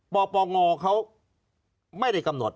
ปปงเขาไม่ได้กำหนด